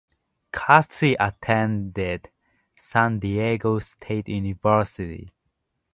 Kathy attended San Diego State University.